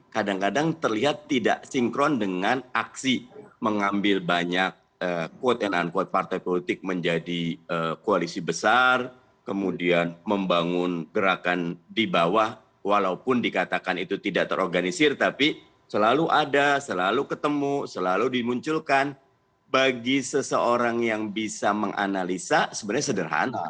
kalau konstitusinya mengatakan boleh tiga periode